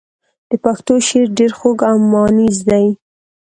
د پښتو شعر ډېر خوږ او مانیز دی.